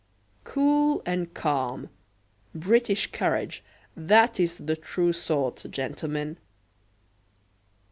"Cool and calm British courage, that is the true sort, gentlemen."